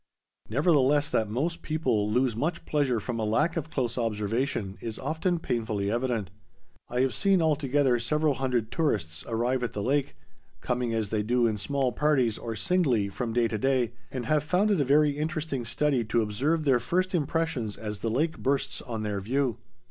Nevertheless, that most people lose much pleasure from a lack of close observation is often painfully evident. I have seen, altogether, several hundred tourists arrive at the lake, coming as they do in small parties, or singly, from day to day, and have found it a very interesting study to observe their first impressions as the lake bursts on their view.